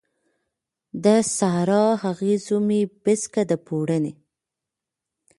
د سارا، اغزو مې پیڅکه د پوړنې